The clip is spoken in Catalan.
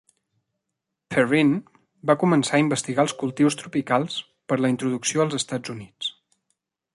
Perrine va començar a investigar els cultius tropicals per a la introducció als Estats Units.